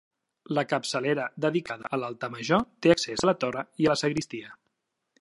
La capçalera dedicada a l'altar Major, té accés a la torre i a la sagristia.